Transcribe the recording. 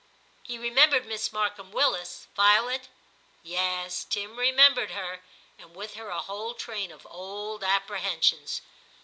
He remembered Miss Markham Willis — Violet ?' (Yes, Tim remem bered her, and with her a whole train of old apprehensions.)